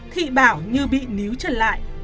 thị bảo như bị níu trần lại